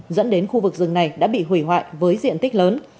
dẫn đến khu vực rừng này đã bị hủy hoại với diện tích lớn